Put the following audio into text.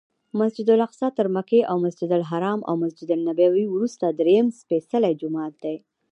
مسجدالاقصی تر مکې او مسجدالحرام او مسجدنبوي وروسته درېیم سپېڅلی جومات دی.